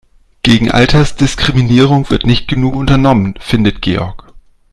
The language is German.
Gegen Altersdiskriminierung wird nicht genug unternommen, findet Georg.